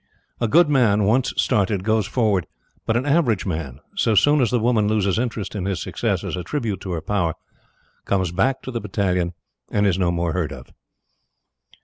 A good man once started, goes forward; but an average man, so soon as the woman loses interest in his success as a tribute to her power, comes back to the battalion and is no more heard of.